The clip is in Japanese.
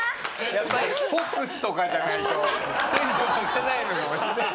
やっぱりＦＯＸとかじゃないとテンション上がんないのかもしれない。